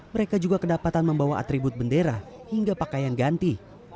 mereka juga kedapatan membawa atribut bendera hingga pakaian ganti